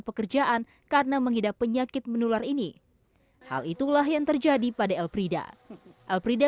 pekerjaan karena mengidap penyakit menular ini hal itulah yang terjadi pada elfrida elfrida